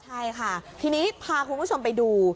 ใช่ค่ะทีนี้พาคุณผู้ชมไปดู